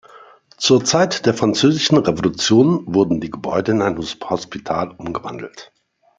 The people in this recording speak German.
Zur Zeit der Französischen Revolution wurden die Gebäude in ein Hospital umgewandelt.